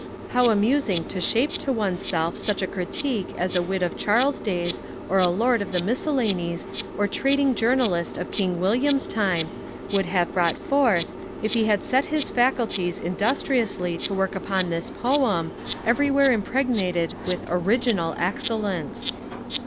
How amusing to shape to one's self such a critique as a Wit of Charles's days, or a Lord of the Miscellanies or trading Journalist of King William's time, would have brought forth, if he had set his faculties industriously to work upon this Poem, everywhere impregnated with original excellence.